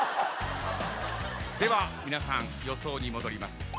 では皆さん予想に戻ります。